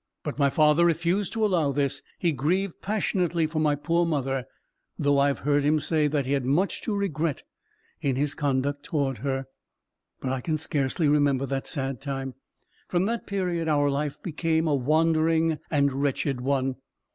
But my father refused to allow this. He grieved passionately for my poor mother: though I have heard him say that he had much to regret in his conduct towards her. But I can scarcely remember that sad time. From that period our life became a wandering and wretched one.